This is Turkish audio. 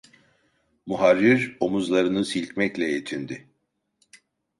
Muharrir omuzlarını silkmekle yetindi.